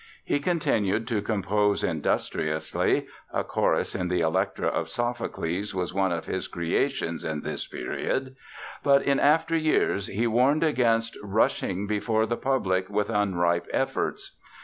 He continued to compose industriously (a chorus in the Elektra of Sophocles was one of his creations in this period); but in after years he warned against "rushing before the public with unripe efforts."